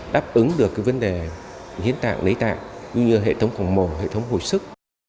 đáp ứng được vấn đề hiến tạng lấy tạng như hệ thống khổng mồ hệ thống hồi sức